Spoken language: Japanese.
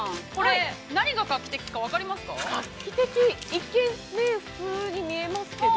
一見普通に見えますけど。